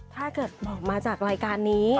ถ้าเกิดบอกมาจากรายการนี้